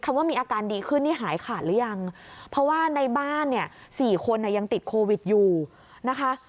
ว่ามีอาการดีขึ้นนี่หายขาดหรือยังเพราะว่าในบ้านเนี่ย๔คนยังติดโควิดอยู่นะคะ